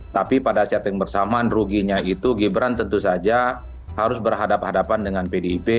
tapi pada setting bersamaan ruginya itu gibran tentu saja harus berhadapan hadapan dengan pdip